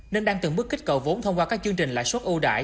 nên đang từng bước kích cầu vốn thông qua các chương trình lại suốt ưu đại